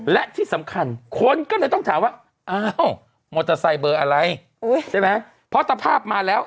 และที่สำคัญคนก็เลยต้องถามว่าอ้าวมอเตอร์ไซค์เบอร์อะไรใช่ไหมเพราะสภาพมาแล้ว